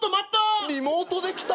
リモートで来た！